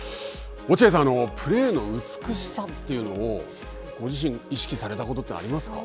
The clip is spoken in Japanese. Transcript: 落合さん、プレーの美しさというのをご自身、意識されたことってありますか。